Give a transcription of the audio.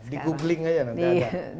di googling aja nanti ada